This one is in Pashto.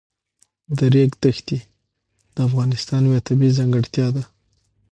د ریګ دښتې د افغانستان یوه طبیعي ځانګړتیا ده.